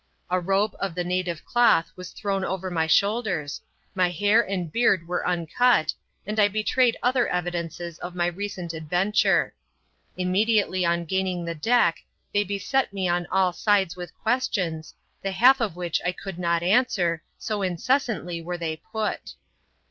A robe of the native cloth was thrown over my shoulders, my hair and beard were uncut, and I betrayed other evidences of my recent ad venture. Immediately on gaining the deck, they beset me on all sides with questions, the half of which I could not answer, so incessantly were they put.